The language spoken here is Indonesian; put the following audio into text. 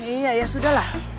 iya ya sudah lah